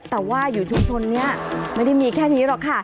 แต่ว่าอยู่ชุมชนนี้ไม่ได้มีแค่นี้หรอกค่ะ